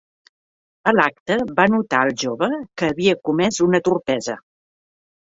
A l'acte va notar el jove que havia comès una torpesa